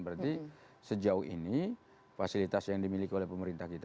berarti sejauh ini fasilitas yang dimiliki oleh pemerintah kita